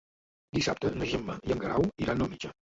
Dissabte na Gemma i en Guerau iran al metge.